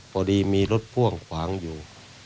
พอดีมีรถพ่วงขวางอยู่